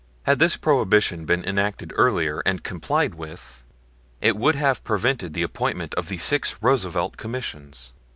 Had this prohibition been enacted earlier and complied with, it would have prevented the appointment of the six Roosevelt commissions.